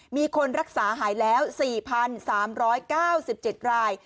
มีคนรักษาหายแล้ว๔๓๙๗ราย